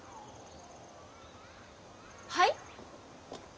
はい？